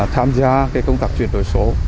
tham gia công tác chuyển đổi số